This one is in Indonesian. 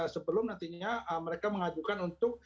sebelum nantinya mereka mengajukan untuk